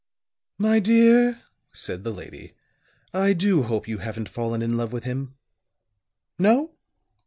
"My dear," said the lady, "I do hope you haven't fallen in love with him. No?